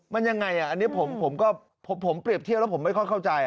มันยังไงอันนี้ผมก็ผมเปรียบเทียบแล้วผมไม่ค่อยเข้าใจ